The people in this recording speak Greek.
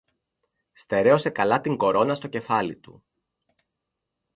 Στερέωσε καλά την κορώνα στο κεφάλι του